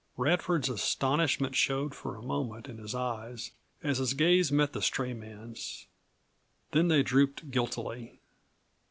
Radford's astonishment showed for a moment in his eyes as his gaze met the stray man's. Then they drooped guiltily.